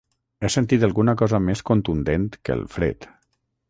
He sentit alguna cosa més contundent que el fred.